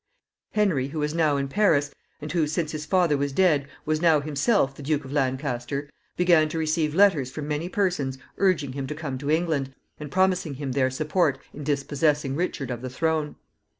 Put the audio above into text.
Henry, who was now in Paris, and who, since his father was dead, was now himself the Duke of Lancaster, began to receive letters from many persons urging him to come to England, and promising him their support in dispossessing Richard of the throne.